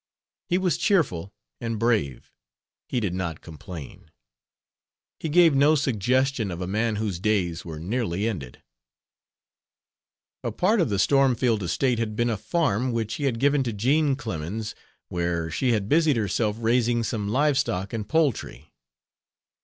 He was cheerful and brave. He did not complain. He gave no suggestion of a man whose days were nearly ended. A part of the Stormfield estate had been a farm, which he had given to Jean Clemens, where she had busied herself raising some live stock and poultry.